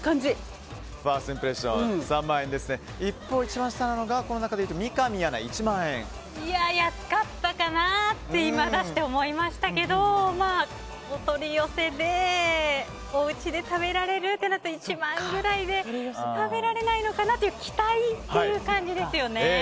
一方、一番下なのが安かったかなと今、出して思いましたけどお取り寄せでおうちで食べられるってなったら１万円くらいで食べられないのかなという期待っていう感じですよね。